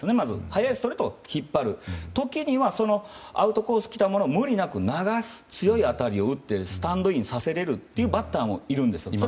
速いストレートを引っ張る時にはアウトコースにきたものをうまく流す強い当たりを打ってスタンドインさせられるバッターもいるんですよ。